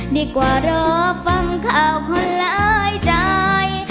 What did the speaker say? ดีกว่ารอฟังข่าวคนหลายใจ